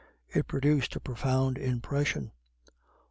It produced a profound impression.